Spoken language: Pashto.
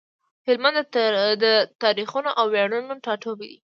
هلمند د تاريخونو او وياړونو ټاټوبی دی۔